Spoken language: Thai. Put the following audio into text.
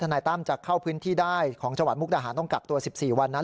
นายตั้มจะเข้าพื้นที่ได้ของจังหวัดมุกดาหารต้องกักตัว๑๔วันนั้น